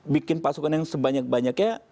bikin pasukan yang sebanyak banyaknya